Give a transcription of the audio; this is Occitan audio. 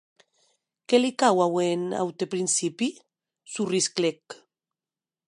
Que li cau auer un aute principi!, sorrisclèc.